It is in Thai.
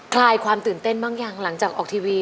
ลายความตื่นเต้นบ้างยังหลังจากออกทีวี